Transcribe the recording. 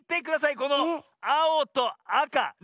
このあおとあか。ね。